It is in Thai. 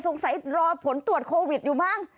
สงสัยรอผลตรวจโควิดอยู่บ้าง